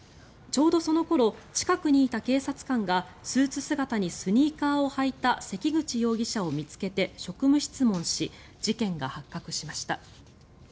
ちょうどその頃近くにいた警察官がスーツ姿にスニーカーを履いた関口容疑者を見つけて職務質問し事件が発覚しました。